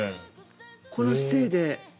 この姿勢で。